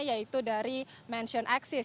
yaitu dari mansion axis